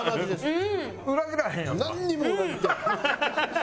裏切らへんやんか。